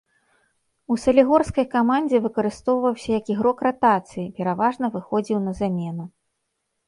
У салігорскай камандзе выкарыстоўваўся як ігрок ратацыі, пераважна выхадзіў на замену.